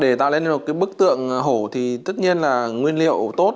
để tạo lên một cái bức tượng hổ thì tất nhiên là nguyên liệu tốt